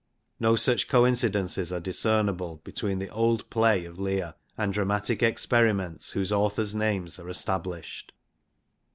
No such coincidences are discernible between the old play of Le'tr and dramatic experiments whose authors' names are established.